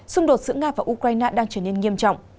xung đột giữa nga và ukraine đang trở nên nghiêm trọng